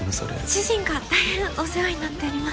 主人がたいへんお世話になっております。